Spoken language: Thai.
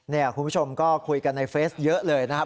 นี่คุณผู้ชมก็คุยกันในสวดสาบันเยอะเลยนะครับ